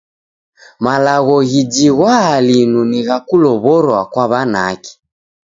Malagho ghijighwaa linu ni gha kulow'orwa kwa w'anake.